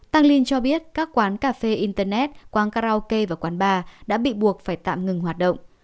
tăng linh cho biết các quán cà phê internet quán karaoke và quán bar đã bị buộc phải tạm ngừng hoạt động